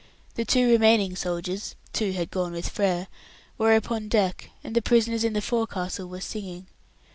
The two remaining soldiers (two had gone with Frere) were upon deck, and the prisoners in the forecastle were singing.